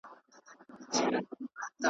په همزولو په سیالانو کي منلې .